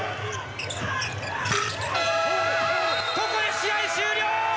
ここで試合終了！